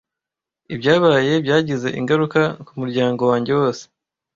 Ibyabaye byagize ingaruka kumuryango wanjye wose.